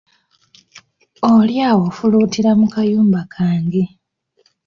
Oli awo ofuluutira mu kayumba kange.